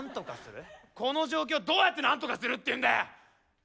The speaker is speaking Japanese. この状況どうやってなんとかするっていうんだよ！